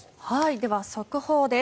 では速報です。